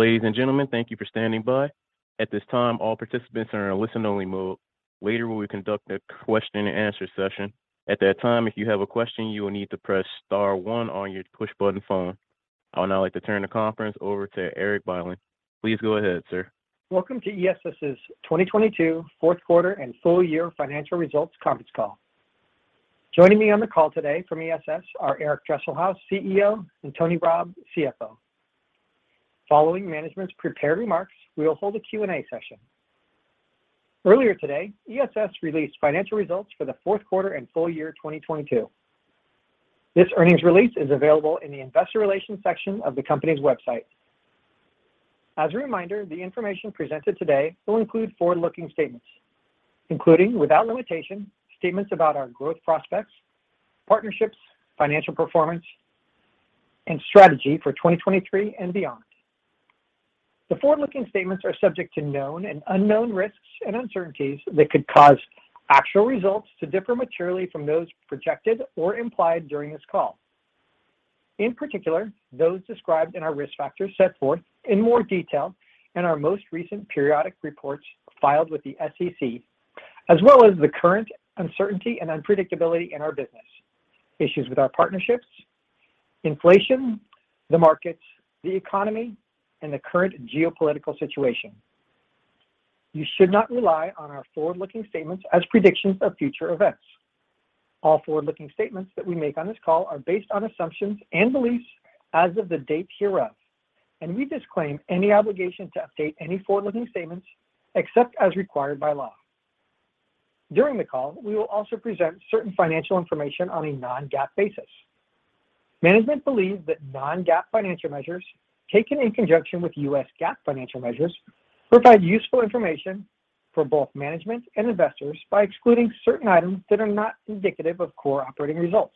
Ladies and gentlemen, thank you for standing by. At this time, all participants are in a listen only mode. Later, we'll conduct a question-and-answer session. At that time, if you have a question, you will need to press star one on your push-button phone. I would now like to turn the conference over to Erik Bylin. Please go ahead, sir. Welcome to ESS's 2022 fourth quarter and full year financial results conference call. Joining me on the call today from ESS are Eric Dresselhuys, CEO, and Tony Rabb, CFO. Following management's prepared remarks, we will hold a Q&A session. Earlier today, ESS released financial results for the fourth quarter and full year 2022. This earnings release is available in the investor relations section of the company's website. As a reminder, the information presented today will include forward-looking statements, including, without limitation, statements about our growth prospects, partnerships, financial performance, and strategy for 2023 and beyond. The forward-looking statements are subject to known and unknown risks and uncertainties that could cause actual results to differ materially from those projected or implied during this call. In particular, those described in our risk factors set forth in more detail in our most recent periodic reports filed with the SEC, as well as the current uncertainty and unpredictability in our business, issues with our partnerships, inflation, the markets, the economy, and the current geopolitical situation. You should not rely on our forward-looking statements as predictions of future events. All forward-looking statements that we make on this call are based on assumptions and beliefs as of the date hereof, and we disclaim any obligation to update any forward-looking statements except as required by law. During the call, we will also present certain financial information on a non-GAAP basis. Management believes that non-GAAP financial measures, taken in conjunction with U.S. GAAP financial measures, provide useful information for both management and investors by excluding certain items that are not indicative of core operating results.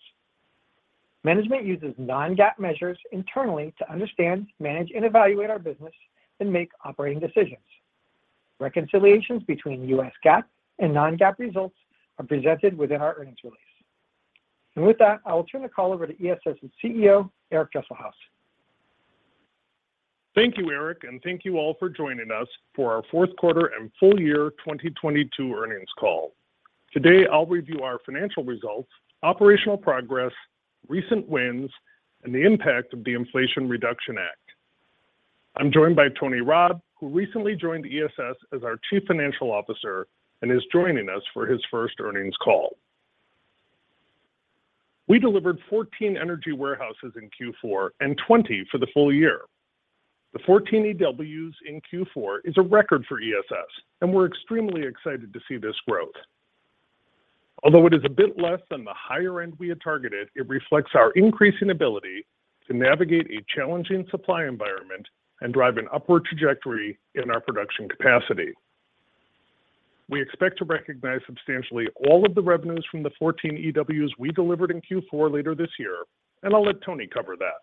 Management uses non-GAAP measures internally to understand, manage, and evaluate our business and make operating decisions. Reconciliations between U.S. GAAP and non-GAAP results are presented within our earnings release. With that, I will turn the call over to ESS's CEO, Eric Dresselhuys. Thank you, Eric, and thank you all for joining us for our fourth quarter and full year 2022 earnings call. Today, I'll review our financial results, operational progress, recent wins, and the impact of the Inflation Reduction Act. I'm joined by Tony Rabb, who recently joined ESS as our Chief Financial Officer and is joining us for his first earnings call. We delivered 14 Energy Warehouses in Q4 and 20 for the full year. The 14 EWs in Q4 is a record for ESS, and we're extremely excited to see this growth. Although it is a bit less than the higher end we had targeted, it reflects our increasing ability to navigate a challenging supply environment and drive an upward trajectory in our production capacity. We expect to recognize substantially all of the revenues from the 14 EWs we delivered in Q4 later this year. I'll let Tony cover that.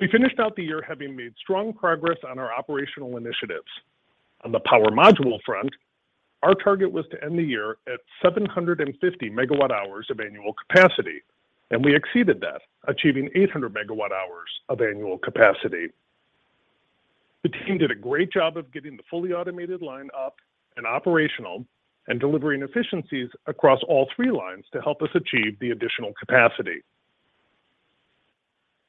We finished out the year having made strong progress on our operational initiatives. On the power module front, our target was to end the year at 750 MWh of annual capacity. We exceeded that, achieving 800 MWh of annual capacity. The team did a great job of getting the fully automated line up and operational and delivering efficiencies across all three lines to help us achieve the additional capacity.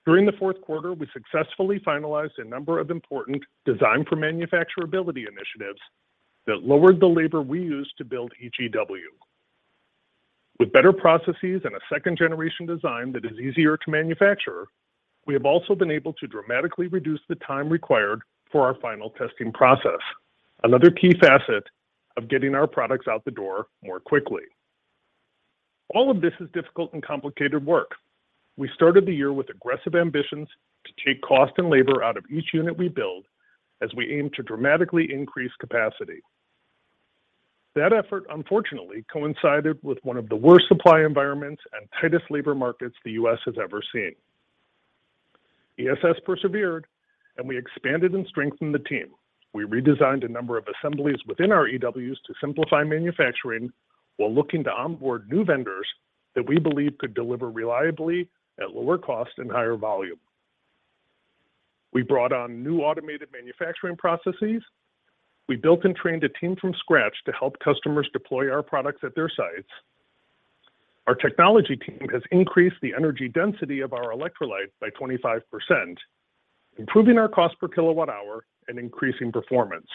During the fourth quarter, we successfully finalized a number of important design for manufacturability initiatives that lowered the labor we use to build each EW. With better processes and a second-generation design that is easier to manufacture, we have also been able to dramatically reduce the time required for our final testing process, another key facet of getting our products out the door more quickly. All of this is difficult and complicated work. We started the year with aggressive ambitions to take cost and labor out of each unit we build as we aim to dramatically increase capacity. That effort unfortunately coincided with one of the worst supply environments and tightest labor markets the U.S. has ever seen. ESS persevered, and we expanded and strengthened the team. We redesigned a number of assemblies within our EWs to simplify manufacturing while looking to onboard new vendors that we believe could deliver reliably at lower cost and higher volume. We brought on new automated manufacturing processes. We built and trained a team from scratch to help customers deploy our products at their sites. Our technology team has increased the energy density of our electrolyte by 25%, improving our cost per kWh and increasing performance.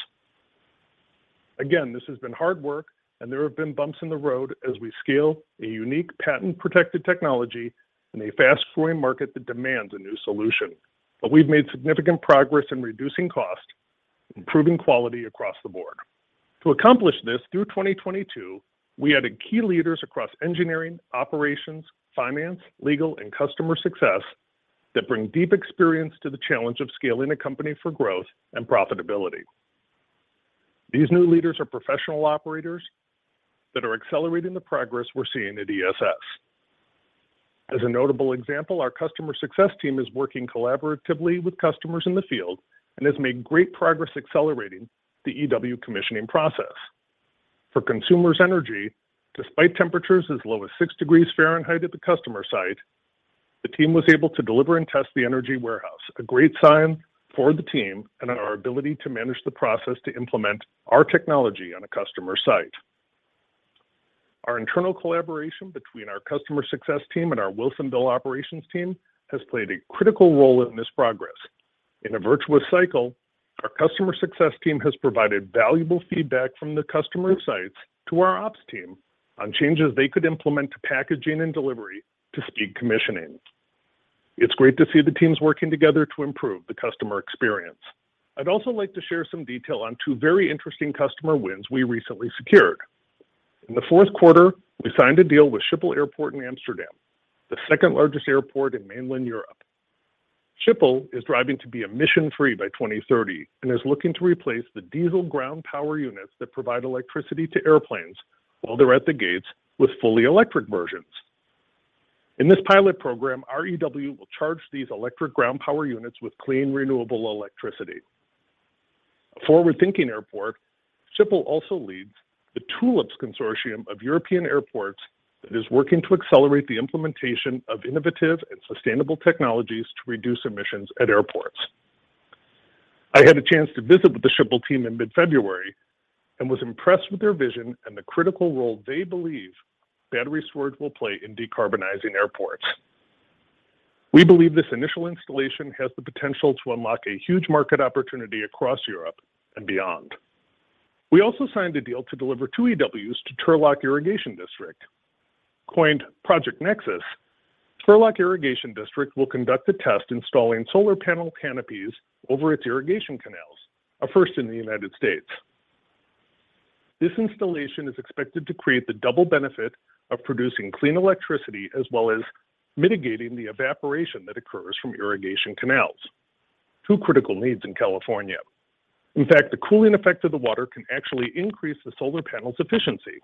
Again, this has been hard work, and there have been bumps in the road as we scale a unique patent-protected technology in a fast-growing market that demands a new solution. We've made significant progress in reducing cost and improving quality across the board. To accomplish this through 2022, we added key leaders across engineering, operations, finance, legal, and customer success that bring deep experience to the challenge of scaling a company for growth and profitability. These new leaders are professional operators that are accelerating the progress we're seeing at ESS. As a notable example, our customer success team is working collaboratively with customers in the field and has made great progress accelerating the EW commissioning process. Consumers Energy, despite temperatures as low as 6 degrees Fahrenheit at the customer site, the team was able to deliver and test the Energy Warehouse, a great sign for the team and our ability to manage the process to implement our technology on a customer site. Our internal collaboration between our customer success team and our Wilsonville operations team has played a critical role in this progress. In a virtuous cycle, our customer success team has provided valuable feedback from the customer sites to our ops team on changes they could implement to packaging and delivery to speed commissioning. It's great to see the teams working together to improve the customer experience. I'd also like to share some detail on two very interesting customer wins we recently secured. In the fourth quarter, we signed a deal with Schiphol Airport in Amsterdam, the second largest airport in mainland Europe. Schiphol is driving to be emission-free by 2030 and is looking to replace the diesel ground power units that provide electricity to airplanes while they're at the gates with fully electric versions. In this pilot program, our EW will charge these electric ground power units with clean, renewable electricity. A forward-thinking airport, Schiphol also leads the TULIPS consortium of European airports that is working to accelerate the implementation of innovative and sustainable technologies to reduce emissions at airports. I had a chance to visit with the Schiphol team in mid-February and was impressed with their vision and the critical role they believe battery storage will play in decarbonizing airports. We believe this initial installation has the potential to unlock a huge market opportunity across Europe and beyond. We also signed a deal to deliver two EWs to Turlock Irrigation District. Coined Project Nexus, Turlock Irrigation District will conduct a test installing solar panel canopies over its irrigation canals, a first in the United States. This installation is expected to create the double benefit of producing clean electricity as well as mitigating the evaporation that occurs from irrigation canals, two critical needs in California. In fact, the cooling effect of the water can actually increase the solar panels' efficiency.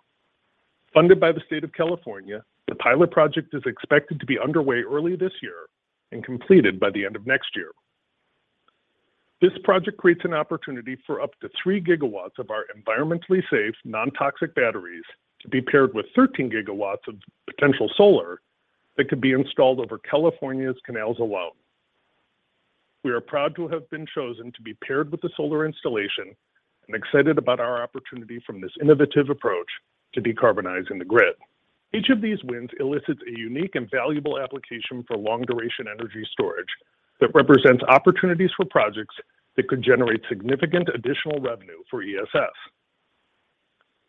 Funded by the state of California, the pilot project is expected to be underway early this year and completed by the end of next year. This project creates an opportunity for up to 3 GW of our environmentally safe, non-toxic batteries to be paired with 13 GW of potential solar that could be installed over California's canals alone. We are proud to have been chosen to be paired with the solar installation and excited about our opportunity from this innovative approach to decarbonizing the grid. Each of these wins elicits a unique and valuable application for long-duration energy storage that represents opportunities for projects that could generate significant additional revenue for ESS.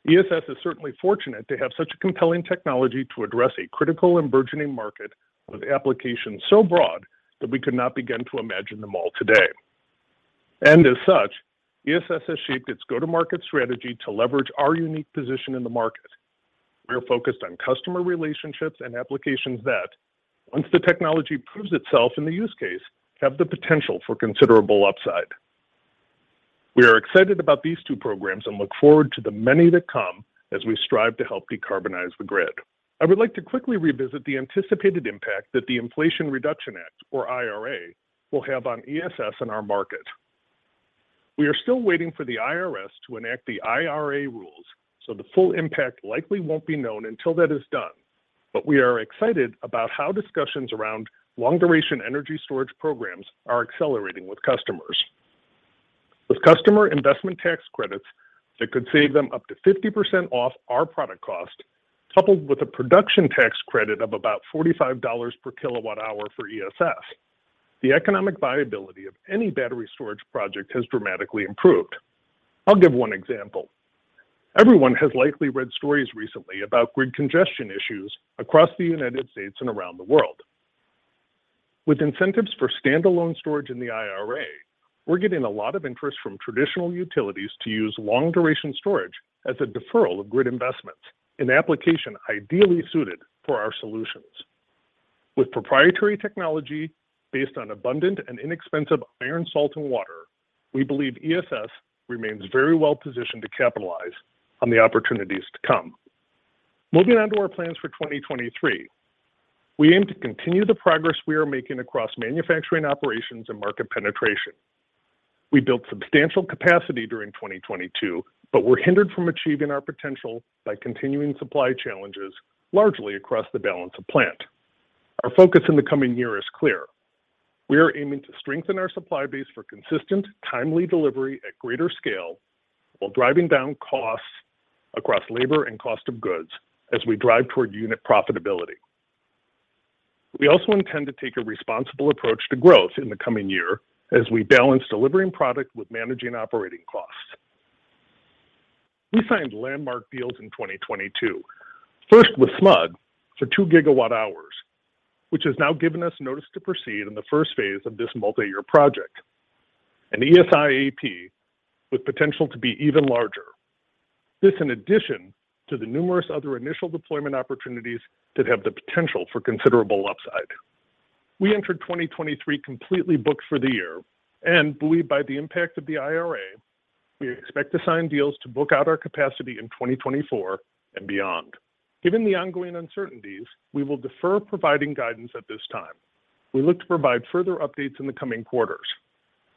ESS is certainly fortunate to have such a compelling technology to address a critical and burgeoning market with applications so broad that we could not begin to imagine them all today. As such, ESS has shaped its go-to-market strategy to leverage our unique position in the market. We are focused on customer relationships and applications that, once the technology proves itself in the use case, have the potential for considerable upside. We are excited about these two programs and look forward to the many that come as we strive to help decarbonize the grid. I would like to quickly revisit the anticipated impact that the Inflation Reduction Act, or IRA, will have on ESS and our market. We are still waiting for the IRS to enact the IRA rules, the full impact likely won't be known until that is done. We are excited about how discussions around long-duration energy storage programs are accelerating with customers. With customer investment tax credits that could save them up to 50% off our product cost, coupled with a production tax credit of about $45 per kilowatt hour for ESS, the economic viability of any battery storage project has dramatically improved. I'll give one example. Everyone has likely read stories recently about grid congestion issues across the United States and around the world. With incentives for standalone storage in the IRA, we're getting a lot of interest from traditional utilities to use long-duration storage as a deferral of grid investments, an application ideally suited for our solutions. With proprietary technology based on abundant and inexpensive iron, salt, and water, we believe ESS remains very well-positioned to capitalize on the opportunities to come. Moving on to our plans for 2023. We aim to continue the progress we are making across manufacturing operations and market penetration. We built substantial capacity during 2022, were hindered from achieving our potential by continuing supply challenges, largely across the balance of plant. Our focus in the coming year is clear. We are aiming to strengthen our supply base for consistent, timely delivery at greater scale while driving down costs across labor and cost of goods as we drive toward unit profitability. We also intend to take a responsible approach to growth in the coming year as we balance delivering product with managing operating costs. We signed landmark deals in 2022, first with SMUD for 2 GW, which has now given us notice to proceed in the first phase of this multi-year project, and ESI AP with potential to be even larger. This in addition to the numerous other initial deployment opportunities that have the potential for considerable upside. We entered 2023 completely booked for the year and, buoyed by the impact of the IRA, we expect to sign deals to book out our capacity in 2024 and beyond. Given the ongoing uncertainties, we will defer providing guidance at this time. We look to provide further updates in the coming quarters.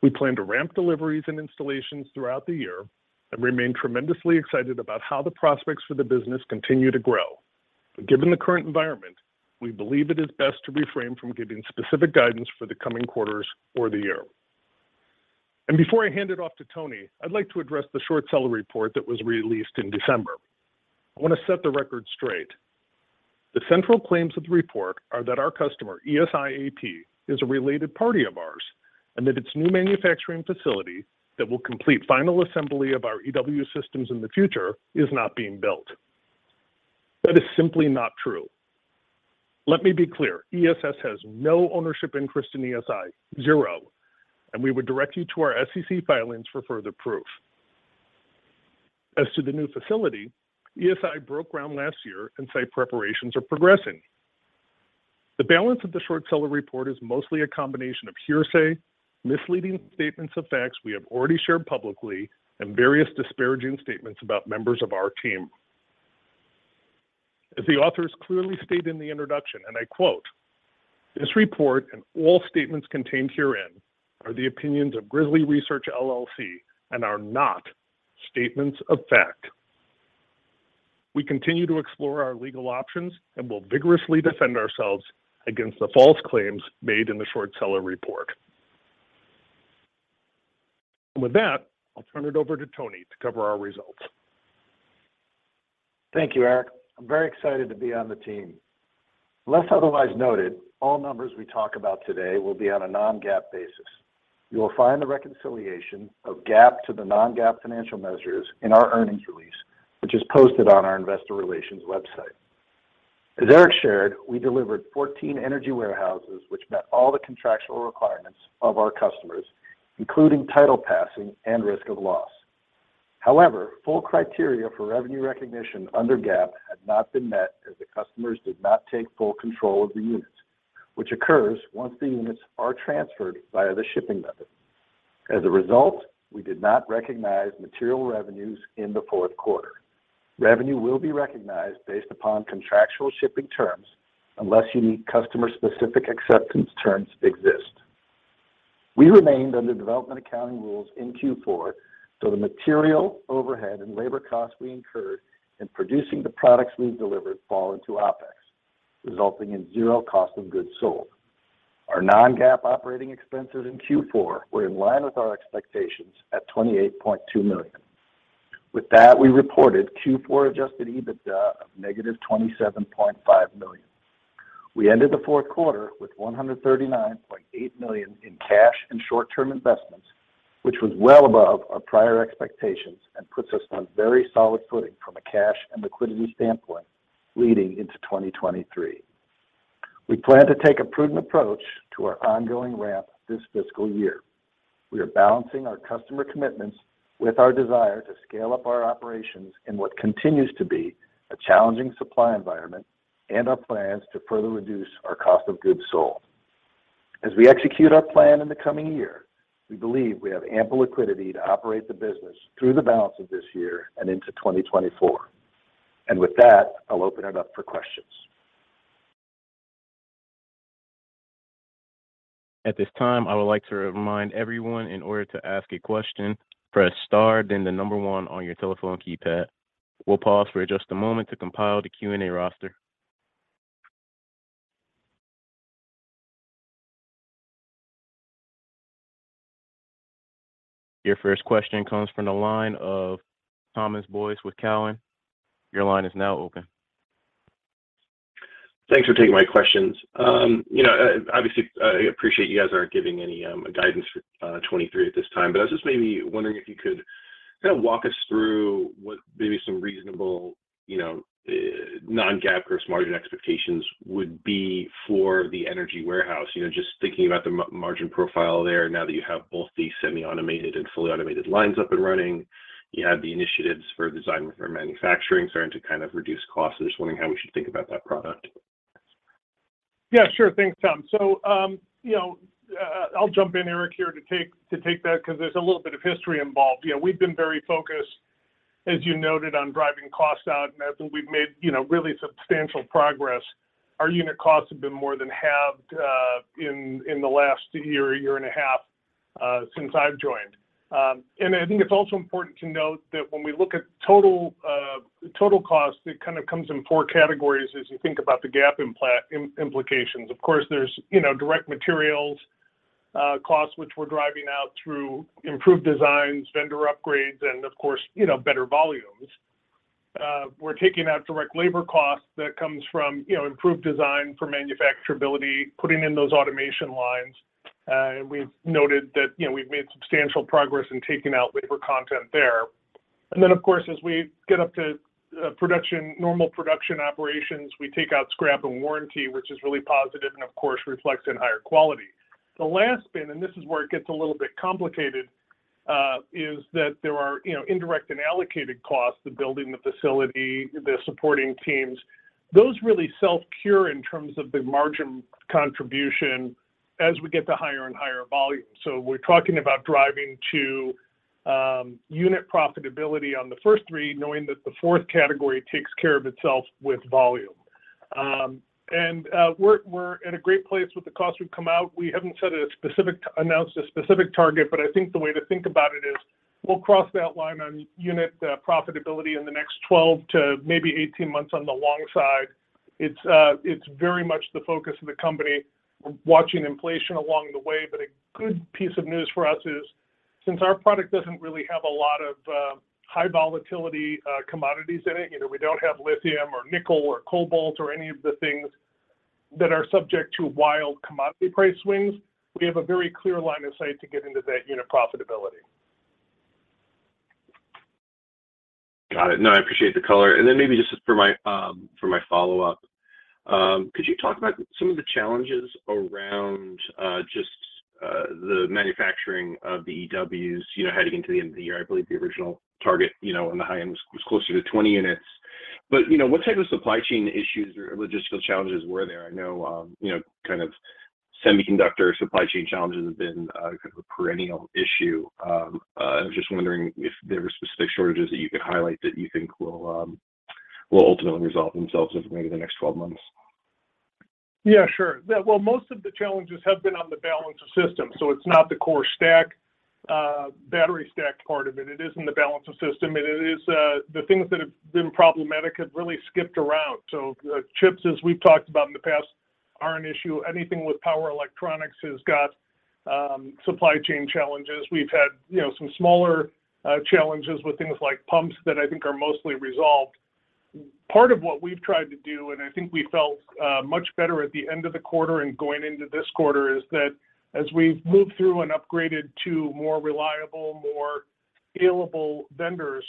We plan to ramp deliveries and installations throughout the year and remain tremendously excited about how the prospects for the business continue to grow. Given the current environment, we believe it is best to refrain from giving specific guidance for the coming quarters or the year. Before I hand it off to Tony, I'd like to address the short seller report that was released in December. I want to set the record straight. The central claims of the report are that our customer, ESI AP, is a related party of ours, and that its new manufacturing facility that will complete final assembly of our EW systems in the future is not being built. That is simply not true. Let me be clear, ESS has no ownership interest in ESI, zero, and we would direct you to our SEC filings for further proof. As to the new facility, ESI broke ground last year and site preparations are progressing. The balance of the short seller report is mostly a combination of hearsay, misleading statements of facts we have already shared publicly, and various disparaging statements about members of our team. As the authors clearly state in the introduction, and I quote, "This report and all statements contained herein are the opinions of Grizzly Research LLC and are not statements of fact." We continue to explore our legal options and will vigorously defend ourselves against the false claims made in the short seller report. With that, I'll turn it over to Tony to cover our results. Thank you, Eric. I'm very excited to be on the team. Unless otherwise noted, all numbers we talk about today will be on a non-GAAP basis. You will find the reconciliation of GAAP to the non-GAAP financial measures in our earnings release, which is posted on our investor relations website. As Eric shared, we delivered 14 Energy Warehouse which met all the contractual requirements of our customers, including title passing and risk of loss. Full criteria for revenue recognition under GAAP had not been met as the customers did not take full control of the units, which occurs once the units are transferred via the shipping method. We did not recognize material revenues in the fourth quarter. Revenue will be recognized based upon contractual shipping terms unless unique customer-specific acceptance terms exist. We remained under development accounting rules in Q4, the material, overhead, and labor costs we incurred in producing the products we delivered fall into OpEx, resulting in zero cost of goods sold. Our non-GAAP operating expenses in Q4 were in line with our expectations at $28.2 million. With that, we reported Q4 Adjusted EBITDA of -$27.5 million. We ended the fourth quarter with $139.8 million in cash and short-term investments, which was well above our prior expectations and puts us on very solid footing from a cash and liquidity standpoint leading into 2023. We plan to take a prudent approach to our ongoing ramp this fiscal year. We are balancing our customer commitments with our desire to scale up our operations in what continues to be a challenging supply environment and our plans to further reduce our cost of goods sold. As we execute our plan in the coming year, we believe we have ample liquidity to operate the business through the balance of this year and into 2024. With that, I'll open it up for questions. At this time, I would like to remind everyone in order to ask a question, press star, then one on your telephone keypad. We'll pause for just a moment to compile the Q&A roster. Your first question comes from the line of Thomas Boyes with Cowen. Your line is now open. Thanks for taking my questions. You know, obviously, I appreciate you guys aren't giving any guidance for 2023 at this time. I was just maybe wondering if you could kind of walk us through what maybe some reasonable, you know, non-GAAP gross margin expectations would be for the Energy Warehouse. You know, just thinking about the margin profile there now that you have both the semi-automated and fully automated lines up and running. You have the initiatives for design for manufacturability starting to kind of reduce costs. Just wondering how we should think about that product. Yeah, sure. Thanks, Tom. You know, I'll jump in, Eric, here to take that because there's a little bit of history involved. You know, we've been very focused, as you noted, on driving costs out, and I think we've made, you know, really substantial progress. Our unit costs have been more than halved in the last year and a half since I've joined. I think it's also important to note that when we look at total cost, it kind of comes in four categories as you think about the GAAP implications. Of course, there's, you know, direct materials costs, which we're driving out through improved designs, vendor upgrades, and of course, you know, better volumes. We're taking out direct labor costs that comes from, you know, improved design for manufacturability, putting in those automation lines. We've noted that, you know, we've made substantial progress in taking out labor content there. Then, of course, as we get up to production, normal production operations, we take out scrap and warranty, which is really positive and of course, reflects in higher quality. The last bin, and this is where it gets a little bit complicated, is that there are, you know, indirect and allocated costs to building the facility, the supporting teams. Those really self-cure in terms of the margin contribution as we get to higher and higher volumes. We're talking about driving to unit profitability on the first three, knowing that the fourth category takes care of itself with volume. We're in a great place with the costs we've come out. We haven't announced a specific target, but I think the way to think about it is we'll cross that line on unit profitability in the next 12 to maybe 18 months on the long side. It's very much the focus of the company. We're watching inflation along the way, but a good piece of news for us is since our product doesn't really have a lot of high volatility commodities in it, you know, we don't have lithium or nickel or cobalt or any of the things that are subject to wild commodity price swings, we have a very clear line of sight to get into that unit profitability. Got it. No, I appreciate the color. Maybe just for my, for my follow-up, could you talk about some of the challenges around just the manufacturing of the EWs, you know, heading into the end of the year? I believe the original target, you know, on the high end was closer to 20 units. You know, what type of supply chain issues or logistical challenges were there? I know, you know, kind of semiconductor supply chain challenges have been kind of a perennial issue. Just wondering if there are specific shortages that you could highlight that you think will ultimately resolve themselves over maybe the next 12 months. Yeah, sure. Yeah, well, most of the challenges have been on the balance of system, so it's not the core stack, battery stack part of it. It is in the balance of system, and it is, the things that have been problematic have really skipped around. Chips, as we've talked about in the past, are an issue. Anything with power electronics has got supply chain challenges. We've had, you know, some smaller challenges with things like pumps that I think are mostly resolved. Part of what we've tried to do, and I think we felt much better at the end of the quarter and going into this quarter, is that as we've moved through and upgraded to more reliable, more scalable vendors,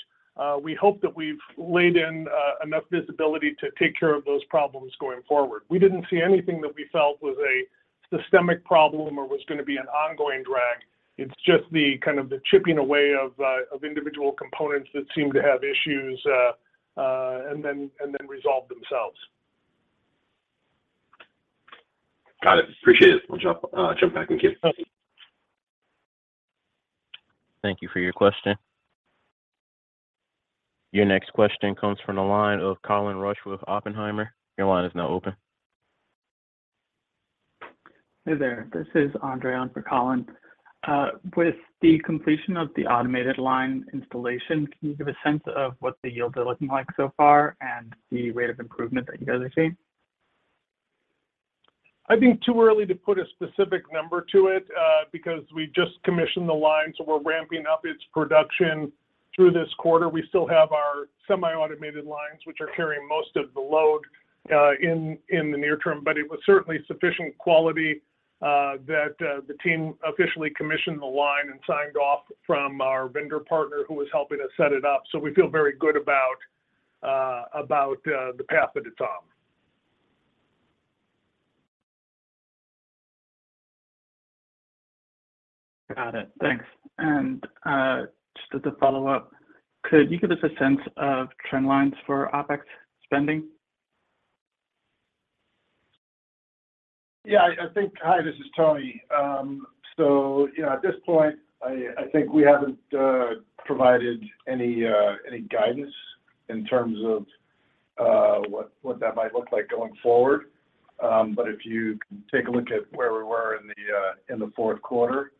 we hope that we've laid in enough visibility to take care of those problems going forward. We didn't see anything that we felt was a systemic problem or was gonna be an ongoing drag. It's just the kind of the chipping away of individual components that seem to have issues, and then resolve themselves. Got it. Appreciate it. We'll jump back in queue. Okay. Thank you for your question. Your next question comes from the line of Colin Rusch with Oppenheimer. Your line is now open. Hey there. This is Andre on for Colin. With the completion of the automated line installation, can you give a sense of what the yields are looking like so far and the rate of improvement that you guys are seeing? I think too early to put a specific number to it, because we just commissioned the line, so we're ramping up its production through this quarter. We still have our semi-automated lines, which are carrying most of the load, in the near term. It was certainly sufficient quality that the team officially commissioned the line and signed off from our vendor partner who was helping us set it up. We feel very good about, the path that it's on. Got it. Thanks. Just as a follow-up, could you give us a sense of trend lines for OpEx spending? Yeah, I think. Hi, this is Tony. Yeah, at this point, I think we haven't provided any guidance in terms of what that might look like going forward. If you take a look at where we were in the fourth quarter,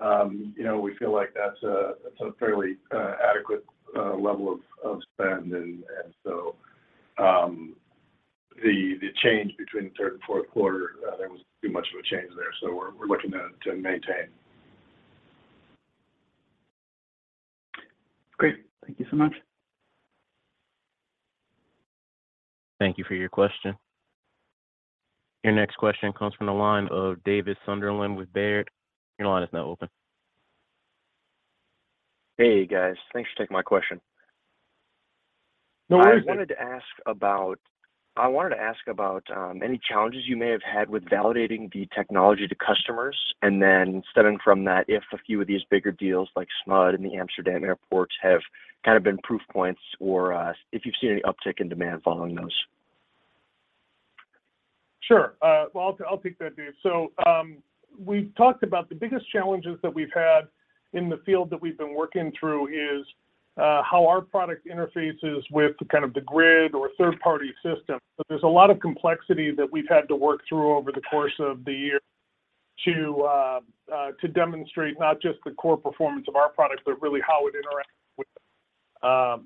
you know, we feel like that's a fairly adequate level of spend. The change between the third and fourth quarter, there wasn't too much of a change there. We're looking to maintain. Great. Thank you so much. Thank you for your question. Your next question comes from the line of Davis Sunderland with Baird. Your line is now open. Hey guys. Thanks for taking my question. No worries. I wanted to ask about any challenges you may have had with validating the technology to customers, and then stemming from that, if a few of these bigger deals like SMUD and the Amsterdam airports have kind of been proof points or if you've seen any uptick in demand following those? Sure. Well, I'll take that, Dave. We've talked about the biggest challenges that we've had in the field that we've been working through is how our product interfaces with kind of the grid or third-party systems. There's a lot of complexity that we've had to work through over the course of the year to demonstrate not just the core performance of our products, but really how it interacts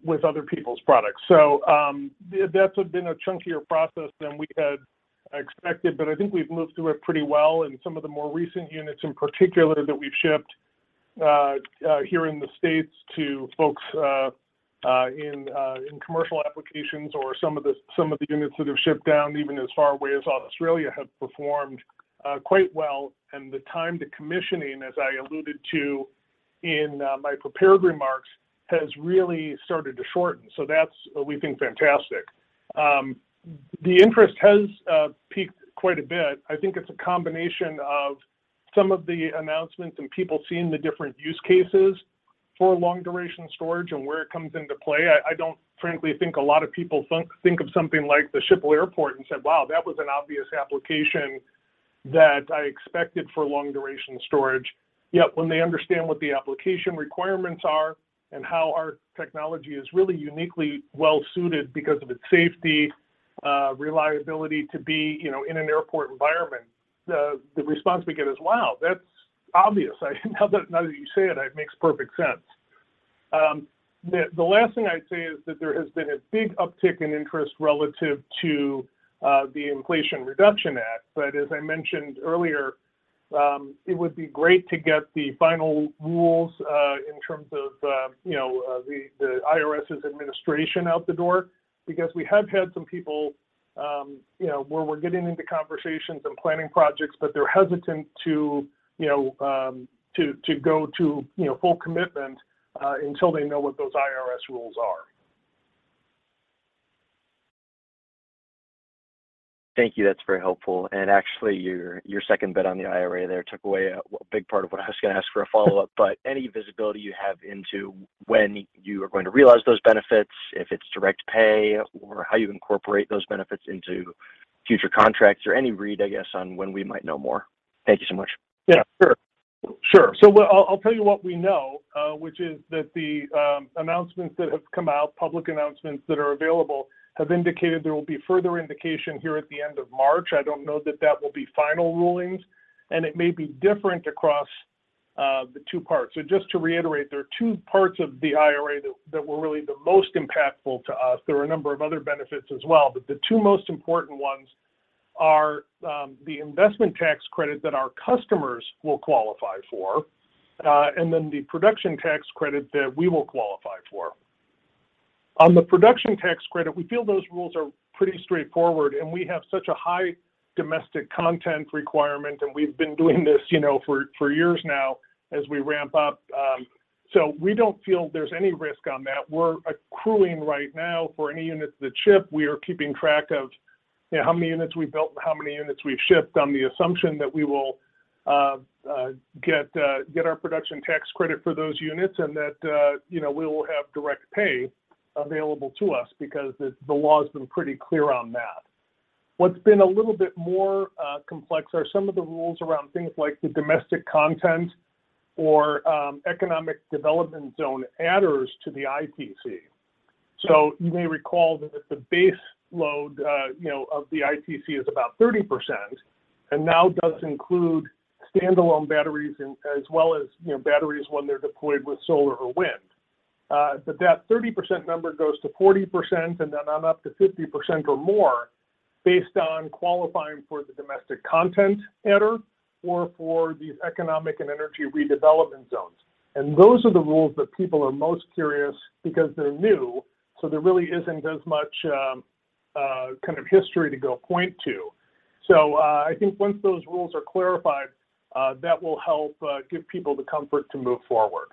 with other people's products. That's been a chunkier process than we had expected, but I think we've moved through it pretty well. Some of the more recent units in particular that we've shipped here in the States to folks in commercial applications or some of the units that have shipped down even as far away as Australia have performed quite well. The time to commissioning, as I alluded to in my prepared remarks, has really started to shorten. That's, we think, fantastic. The interest has peaked quite a bit. I think it's a combination of some of the announcements and people seeing the different use cases for long-duration storage and where it comes into play. I don't frankly think a lot of people think of something like the Schiphol airport and said, "Wow, that was an obvious application that I expected for long-duration storage. When they understand what the application requirements are and how our technology is really uniquely well-suited because of its safety, reliability to be, you know, in an airport environment, the response we get is, "Wow, that's obvious. Now that you say it makes perfect sense." The last thing I'd say is that there has been a big uptick in interest relative to the Inflation Reduction Act. As I mentioned earlier, it would be great to get the final rules in terms of, you know, the IRS's administration out the door because we have had some people, you know, where we're getting into conversations and planning projects, but they're hesitant to, you know, to go to, you know, full commitment until they know what those IRS rules are. Thank you, that's very helpfull. Actually, your second bit on the IRA there took away a big part of what I was gonna ask for a follow-up. Any visibility you have into when you are going to realize those benefits, if it's direct pay, or how you incorporate those benefits into future contracts or any read, I guess, on when we might know more? Thank you so much. Yeah, sure. Sure. What I'll tell you what we know, which is that the announcements that have come out, public announcements that are available, have indicated there will be further indication here at the end of March. I don't know that that will be final rulings, and it may be different across the two parts. Just to reiterate, there are two parts of the IRA that were really the most impactful to us. There were a number of other benefits as well, but the two most important ones are the investment tax credit that our customers will qualify for, and then the production tax credit that we will qualify for. On the production tax credit, we feel those rules are pretty straightforward, and we have such a high domestic content requirement, and we've been doing this, you know, for years now as we ramp up. We don't feel there's any risk on that. We're accruing right now for any units that ship. We are keeping track of, you know, how many units we built and how many units we've shipped on the assumption that we will get our production tax credit for those units and that, you know, we will have direct pay available to us because the law has been pretty clear on that. What's been a little bit more complex are some of the rules around things like the domestic content or economic development zone adders to the ITC. You may recall that the base load, you know, of the ITC is about 30%, and now does include standalone batteries and as well as, you know, batteries when they're deployed with solar or wind. That 30% number goes to 40%, and then on up to 50% or more based on qualifying for the domestic content adder or for these economic and energy redevelopment zones. Those are the rules that people are most curious because they're new, so there really isn't as much kind of history to go point to. I think once those rules are clarified, that will help give people the comfort to move forward.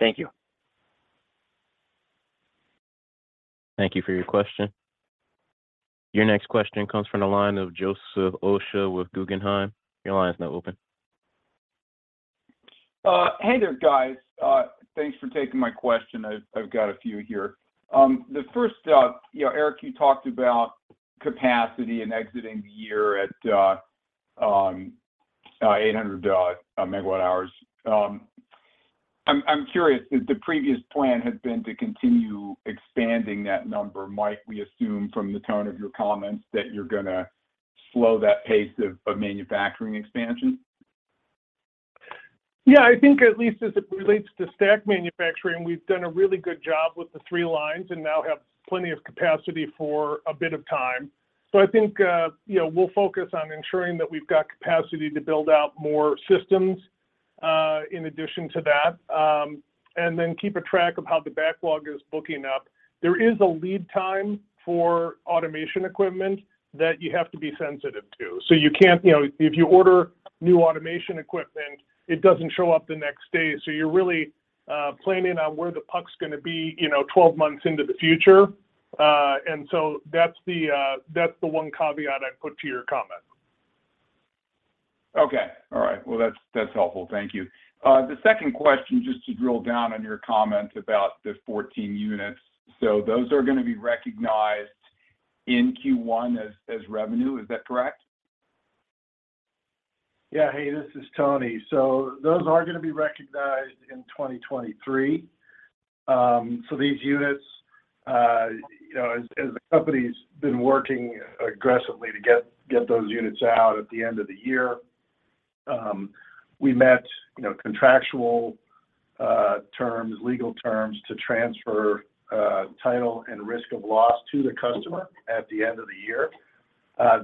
Thank you. Thank you for your question. Your next question comes from the line of Joseph Osha with Guggenheim. Your line is now open. Hey there, guys. Thanks for taking my question. I've got a few here. The first, you know, Eric, you talked about capacity and exiting the year at 800 MWh. I'm curious. The previous plan had been to continue expanding that number. Might we assume from the tone of your comments that you're gonna slow that pace of manufacturing expansion? Yeah. I think at least as it relates to stack manufacturing, we've done a really good job with the three lines and now have plenty of capacity for a bit of time. I think, you know, we'll focus on ensuring that we've got capacity to build out more systems, in addition to that and then keep a track of how the backlog is booking up. There is a lead time for automation equipment that you have to be sensitive to. You know, if you order new automation equipment, it doesn't show up the next day, so you're really planning on where the puck's gonna be, you know, 12 months into the future. That's the, that's the one caveat I'd put to your comment. Okay. All right. Well, that's helpful. Thank you. The second question, just to drill down on your comment about the 14 units. Those are gonna be recognized in Q1 as revenue. Is that correct? Yeah. Hey, this is Tony. Those are gonna be recognized in 2023. These units, you know, as the company's been working aggressively to get those units out at the end of the year, we met, you know, contractual terms, legal terms to transfer title and risk of loss to the customer at the end of the year.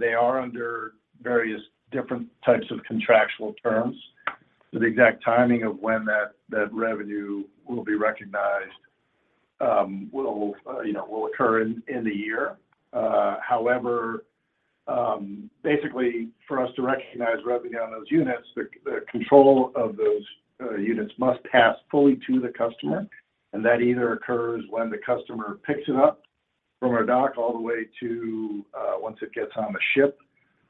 They are under various different types of contractual terms. The exact timing of when that revenue will be recognized, will, you know, will occur in the year. However, basically for us to recognize revenue on those units, the control of those units must pass fully to the customer, and that either occurs when the customer picks it up from our dock all the way to, once it gets on the ship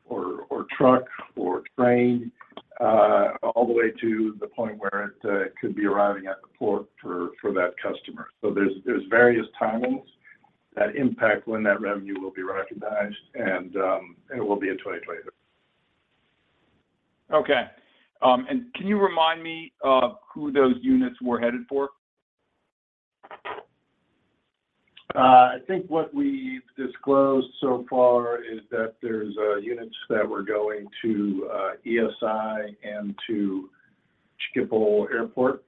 or truck or train, all the way to the point where it could be arriving at the port for that customer. There's various timings that impact when that revenue will be recognized, and it will be in 2020. Okay. Can you remind me of who those units were headed for? I think what we've disclosed so far is that there's units that were going to ESI and to Schiphol Airport.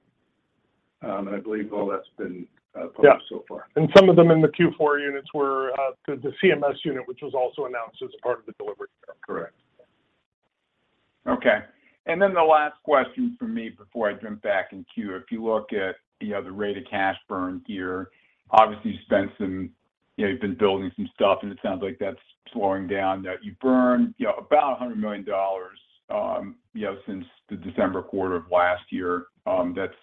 I believe all that's been published so far. Yeah. Some of them in the Q4 units were the CMS unit, which was also announced as a part of the delivery. Correct. Okay. The last question from me before I jump back in queue. If you look at, you know, the rate of cash burn here, obviously you spent some, you know, you've been building some stuff, and it sounds like that's slowing down. Now, you've burned, you know, about $100 million, you know, since the December quarter of last year. That's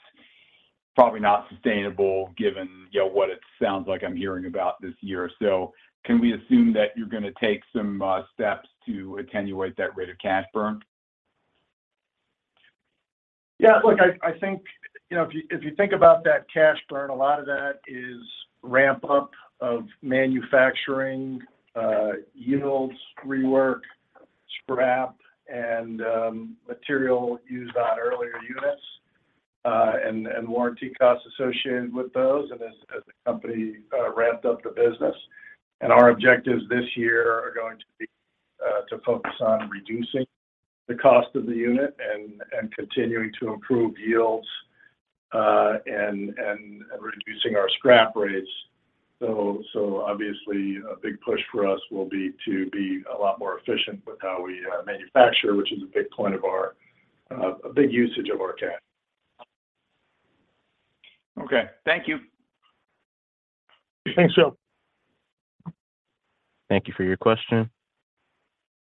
probably not sustainable given, you know, what it sounds like I'm hearing about this year. Can we assume that you're gonna take some steps to attenuate that rate of cash burn? Yeah, look, I think, you know, if you think about that cash burn, a lot of that is ramp up of manufacturing, yields, rework, scrap, and material used on earlier units, and warranty costs associated with those and as the company ramped up the business. Our objectives this year are going to be to focus on reducing the cost of the unit and continuing to improve yields and reducing our scrap rates. Obviously a big push for us will be to be a lot more efficient with how we manufacture, which is a big point of our, a big usage of our cash. Okay. Thank you. Thanks, Joe. Thank you for your question.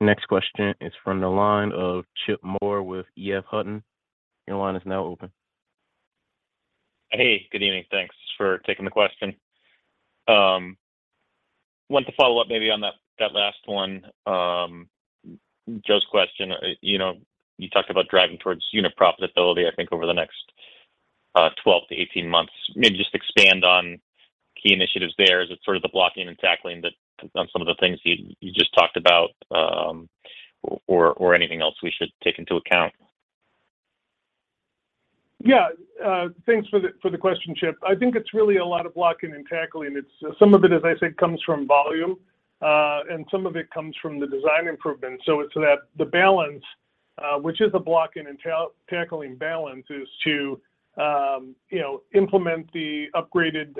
Next question is from the line of Chip Moore with EF Hutton. Your line is now open. Hey, good evening. Thanks for taking the question. want to follow up maybe on that last one, Joe's question. You know, you talked about driving towards unit profitability, I think, over the next, 12-18 months. Maybe just expand on key initiatives there. Is it sort of the blocking and tackling on some of the things you just talked about, or anything else we should take into account? Yeah. Thanks for the question, Chip. I think it's really a lot of blocking and tackling. Some of it, as I said, comes from volume, and some of it comes from the design improvements. It's that the balance, which is a blocking and tackling balance, is to, you know, implement the upgraded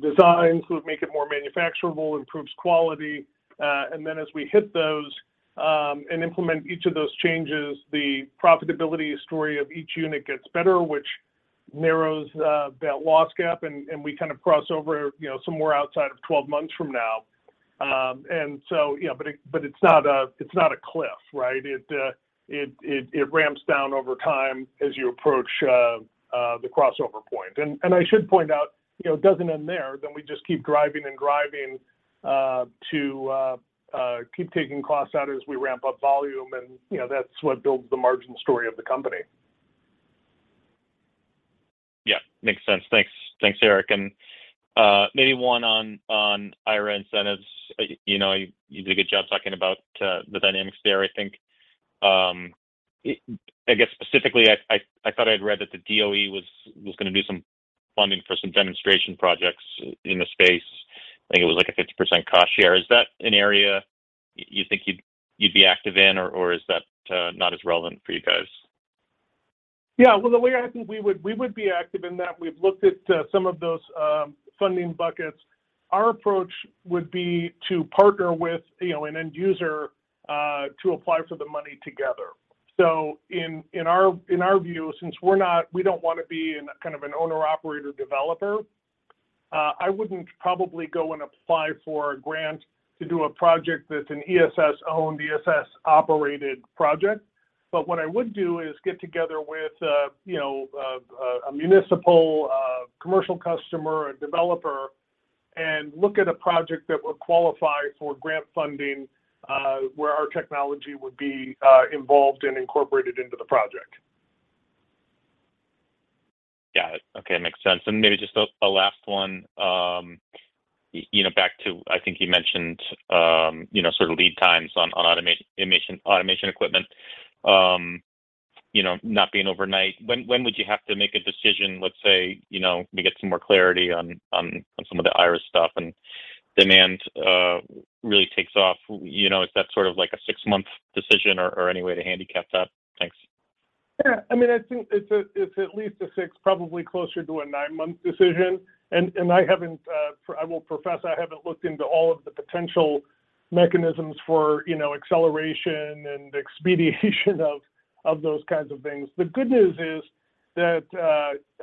designs, make it more manufacturable, improves quality. As we hit those, and implement each of those changes, the profitability story of each unit gets better, which narrows that loss gap. We kind of cross over, you know, somewhere outside of 12 months from now. You know, but it, but it's not a, it's not a cliff, right? It ramps down over time as you approach the crossover point. I should point out, you know, it doesn't end there. We just keep driving and driving to keep taking costs out as we ramp up volume and, you know, that's what builds the margin story of the company. Yeah. Makes sense. Thanks. Thanks, Eric. Maybe one on IRA incentives. You know, you did a good job talking about the dynamics there, I think. I guess specifically I thought I'd read that the DOE was going to do some funding for some demonstration projects in the space. I think it was like a 50% cost share. Is that an area you think you'd be active in or is that not as relevant for you guys? Yeah. Well, the way I think we would, we would be active in that, we've looked at some of those funding buckets. Our approach would be to partner with, you know, an end user to apply for the money together. In our view, since we don't wanna be in kind of an owner/operator developer, I wouldn't probably go and apply for a grant to do a project that's an ESS-owned, ESS-operated project. What I would do is get together with, you know, a municipal, commercial customer, a developer, and look at a project that would qualify for grant funding, where our technology would be involved and incorporated into the project. Got it. Okay. Makes sense. Maybe just a last one. You know, back to I think you mentioned, you know, sort of lead times on automation equipment, you know, not being overnight. When would you have to make a decision, let's say, you know, we get some more clarity on some of the IRA stuff and demand really takes off. You know, is that sort of like a six-month decision or any way to handicap that? Thanks. I mean, I think it's at least a six, probably closer to a nine-month decision. I haven't, I will profess I haven't looked into all of the potential mechanisms for, you know, acceleration and expediation of those kinds of things. The good news is that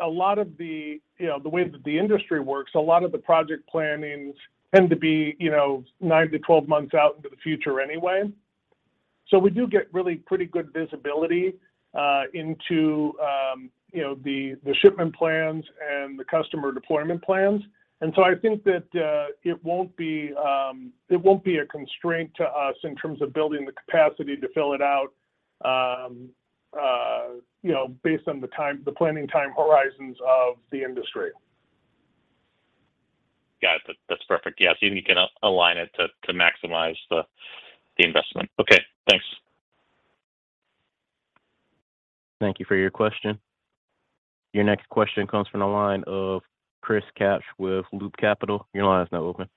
a lot of the, you know, the way that the industry works, a lot of the project plannings tend to be, you know, 9-12 months out into the future anyway. We do get really pretty good visibility into, you know, the shipment plans and the customer deployment plans. I think that it won't be, it won't be a constraint to us in terms of building the capacity to fill it out, you know, based on the planning time horizons of the industry. Got it. That's perfect. You can align it to maximize the investment. Okay, thanks. Thank you for your question. Your next question comes from the line of Chris Kapsch with Loop Capital. Your line is now open.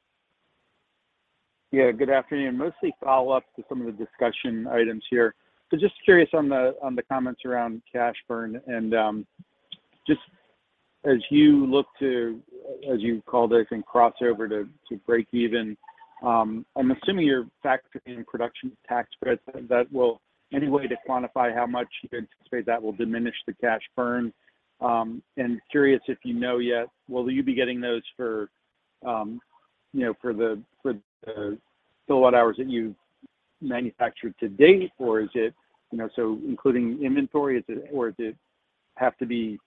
Good afternoon. Mostly follow-up to some of the discussion items here. Just curious on the comments around cash burn and, just as you look to, as you called it, I think, crossover to break even, I'm assuming you're factoring in production tax credits. Any way to quantify how much you anticipate that will diminish the cash burn? Curious if you know yet, will you be getting those for, you know, for the kilowatt hours that you've manufactured to date or is it, you know, so including inventory, or does it have to be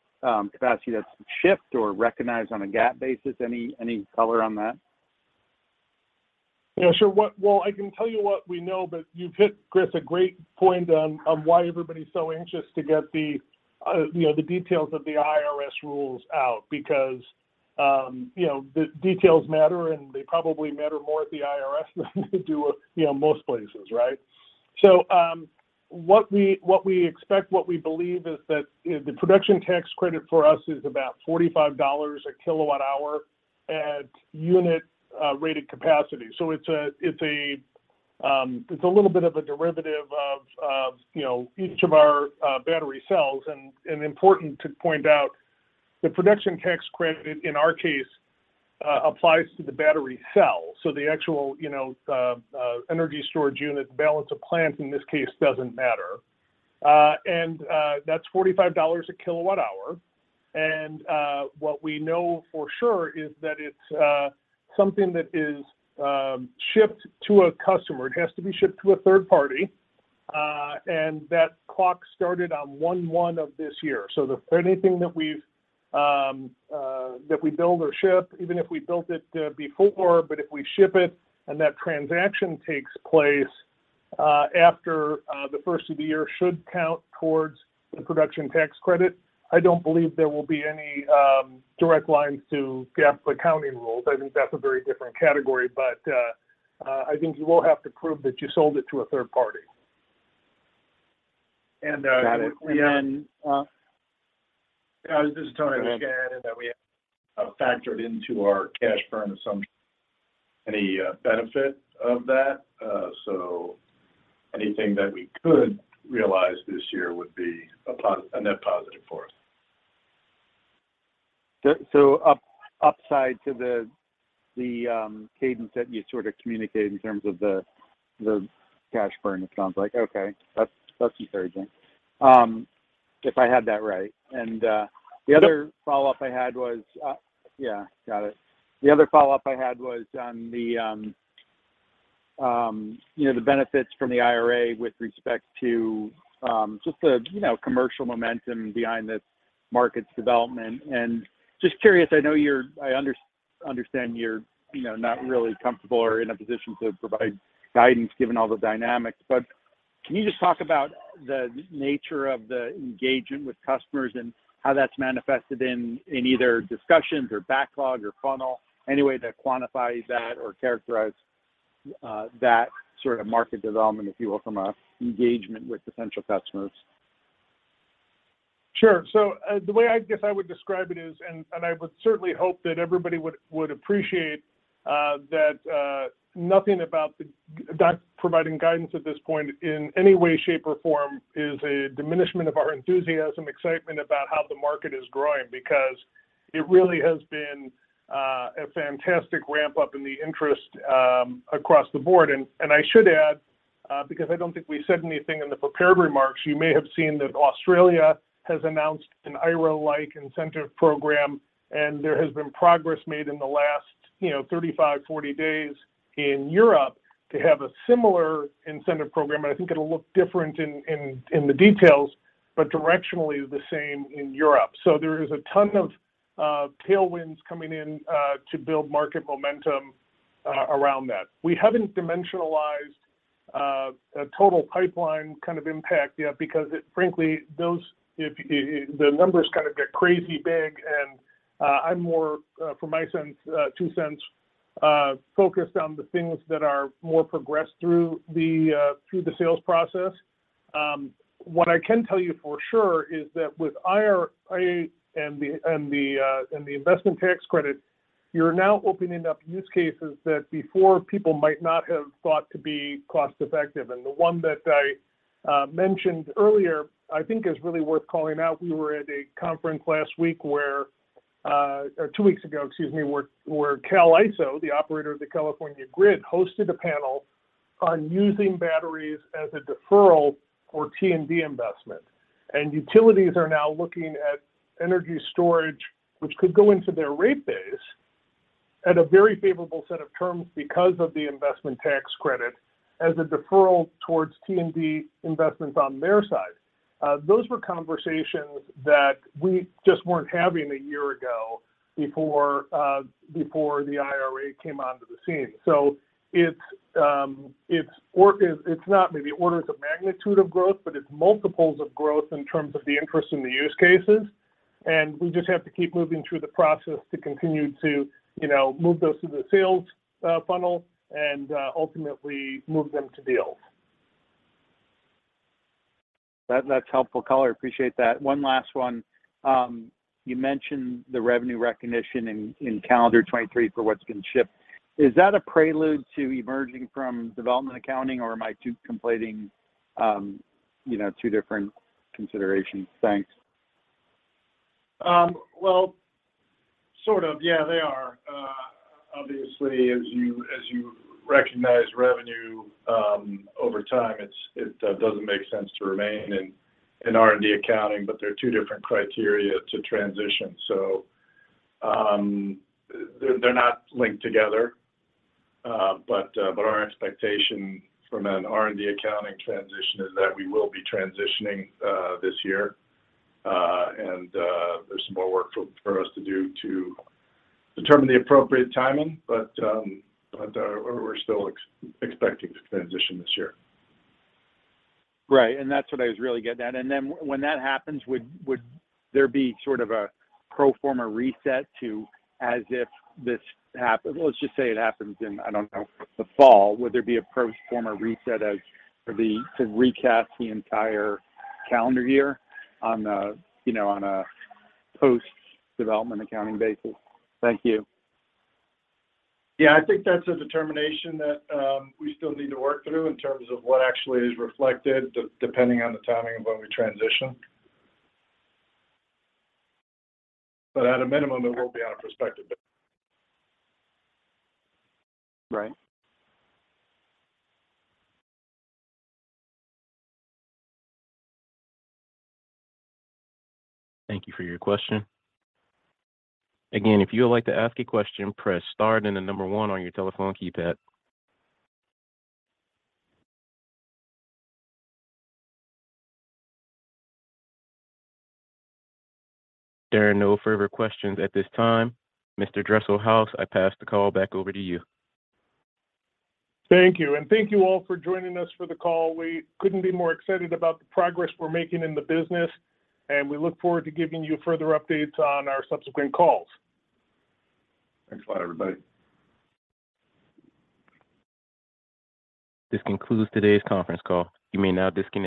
capacity that's shipped or recognized on a GAAP basis? Any color on that? Yeah, sure. Well, I can tell you what we know, but you've hit, Chris, a great point on why everybody's so anxious to get the, you know, the details of the IRS rules out because, you know, the details matter, and they probably matter more at the IRS than they do at, you know, most places, right? What we expect, what we believe is that, you know, the production tax credit for us is about $45 a kWh at unit rated capacity. It's a little bit of a derivative of, you know, each of our battery cells. Important to point out, the production tax credit, in our case, applies to the battery cell. The actual, you know, energy storage unit balance of plant in this case doesn't matter. That's $45 a kWh. What we know for sure is that it's something that is shipped to a customer. It has to be shipped to a third party, and that clock started on 1/1 of this year. If anything that we've that we build or ship, even if we built it before, but if we ship it and that transaction takes place after the first of the year should count towards the production tax credit. I don't believe there will be any direct lines to GAAP accounting rules. I think that's a very different category. I think you will have to prove that you sold it to a third party. Got it. Then... Yeah, I was just gonna add in that we haven't factored into our cash burn assumption any benefit of that. Anything that we could realize this year would be a net positive for us. Upside to the cadence that you sort of communicated in terms of the cash burn, it sounds like. Okay. That's encouraging, if I have that right. Yep. The other follow-up I had was- Yeah, got it. The other follow-up I had was on the, you know, the benefits from the IRA with respect to, just the, you know, commercial momentum behind this market's development. Just curious, I know I understand you're, you know, not really comfortable or in a position to provide guidance given all the dynamics. Can you just talk about the nature of the engagement with customers and how that's manifested in either discussions or backlog or funnel? Any way to quantify that or characterize that sort of market development, if you will, from a engagement with potential customers? Sure. The way I guess I would describe it is, and I would certainly hope that everybody would appreciate that nothing about that providing guidance at this point in any way, shape or form is a diminishment of our enthusiasm, excitement about how the market is growing because it really has been a fantastic ramp-up in the interest across the board. I should add, because I don't think we said anything in the prepared remarks, you may have seen that Australia has announced an IRA-like incentive program, and there has been progress made in the last, you know, 35, 40 days in Europe to have a similar incentive program. I think it'll look different in the details, but directionally the same in Europe. There is a ton of tailwinds coming in to build market momentum around that. We haven't dimensionalized a total pipeline kind of impact yet because it, frankly, those, the numbers kind of get crazy big, and I'm more for my cents, $0.02, focused on the things that are more progressed through the sales process. What I can tell you for sure is that with IRA and the investment tax credit, you're now opening up use cases that before people might not have thought to be cost-effective. The one that I mentioned earlier I think is really worth calling out. We were at a conference last week where, or two weeks ago, excuse me, where CAISO, the operator of the California grid, hosted a panel on using batteries as a deferral for T&D investment. Utilities are now looking at energy storage, which could go into their rate base at a very favorable set of terms because of the investment tax credit as a deferral towards T&D investments on their side. Those were conversations that we just weren't having a year ago before the IRA came onto the scene. It's not maybe orders of magnitude of growth, but it's multiples of growth in terms of the interest in the use cases, and we just have to keep moving through the process to continue to, you know, move those through the sales funnel and ultimately move them to deals. That's helpful, color. Appreciate that. One last one. You mentioned the revenue recognition in calendar 23 for what's been shipped. Is that a prelude to emerging from development accounting, or am I conflating, you know, two different considerations? Thanks. Well, sort of, yeah, they are. Obviously, as you recognize revenue, over time, it doesn't make sense to remain in R&D accounting, but there are two different criteria to transition. They're not linked together, but our expectation from an R&D accounting transition is that we will be transitioning this year. There's some more work for us to do to determine the appropriate timing, but we're still expecting to transition this year. Right. That's what I was really getting at. When that happens, would there be sort of a pro forma reset to as if this happens? Let's just say it happens in, I don't know, the fall. Would there be a pro forma reset to recast the entire calendar year on a, you know, on a post-development accounting basis? Thank you. I think that's a determination that we still need to work through in terms of what actually is reflected depending on the timing of when we transition. At a minimum, it will be on a prospective basis. Right. Thank you for your question. Again, if you would like to ask a question, press star and the number one on your telephone keypad. There are no further questions at this time. Mr. Dresselhuys, I pass the call back over to you. Thank you. Thank you all for joining us for the call. We couldn't be more excited about the progress we're making in the business, and we look forward to giving you further updates on our subsequent calls. Thanks a lot, everybody. This concludes today's conference call. You may now disconnect.